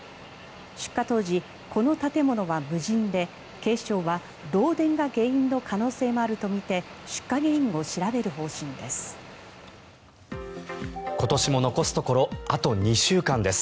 出火当時、この建物は無人で警視庁は漏電が原因の可能性もあるとみて出火原因を調べる方針です。